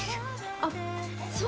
あっそう。